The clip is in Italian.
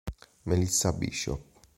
Melissa Bishop